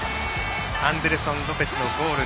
アンデルソン・ロペスのゴール。